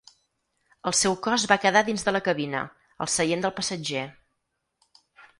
El seu cos va quedar dins de la cabina, al seient del passatger.